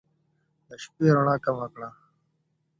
د شپې رڼا کمه کړه